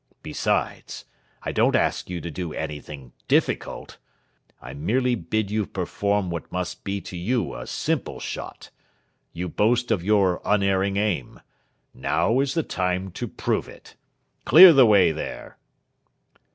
Besides, I don't ask you to do anything difficult. I merely bid you perform what must be to you a simple shot. You boast of your unerring aim. Now is the time to prove it. Clear the way there!"